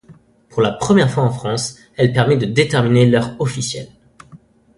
Pour la première fois en France, elle permet de déterminer l'heure officielle.